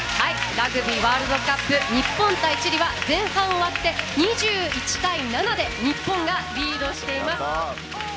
ラグビーワールドカップ日本対チリは前半終わって２１対７で日本がリードしています。